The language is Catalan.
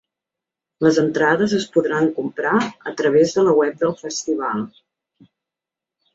Les entrades es podran comprar a través de la web del festival.